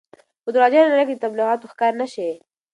په درواغجنې نړۍ کې د تبلیغاتو ښکار نه شئ.